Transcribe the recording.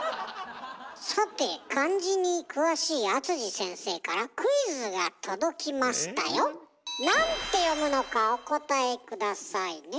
さて漢字に詳しい阿先生からクイズが届きましたよ。なんて読むのかお答え下さいね。